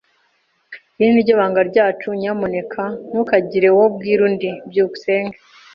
Iri ni ryo banga ryacu. Nyamuneka ntukagire uwo ubwira undi. byukusenge